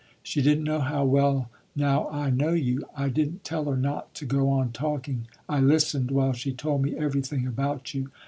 She didn't know how well now I know you. I didn't tell her not to go on talking. I listened while she told me everything about you.